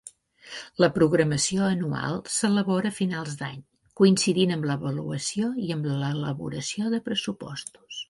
La programació anual s’elabora a finals d’any, coincidint amb l’avaluació i amb l’elaboració de pressupostos.